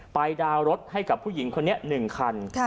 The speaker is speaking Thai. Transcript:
ดาวน์รถให้กับผู้หญิงคนนี้๑คัน